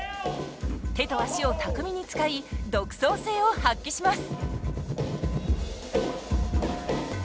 手と足を巧みに使い独創性を発揮します。